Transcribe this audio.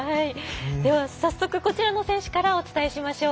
では早速こちらの選手からお伝えしましょう。